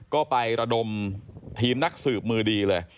ก็ไประดมทีมนักสืบมือดีเลย